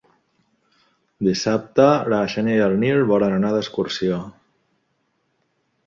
Dissabte na Xènia i en Nil volen anar d'excursió.